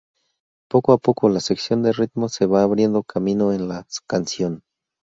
Poco a poco, la sección de ritmos se va abriendo camino en la canción.